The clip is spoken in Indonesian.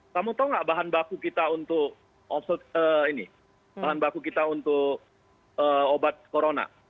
kamu tahu nggak bahan baku kita untuk obat corona